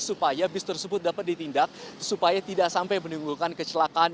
supaya bus tersebut dapat ditindak supaya tidak sampai menimbulkan kecelakaan